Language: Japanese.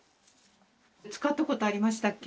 使ったことありましたっけ？